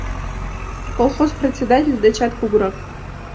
Колхоз председатель дечат кугурак.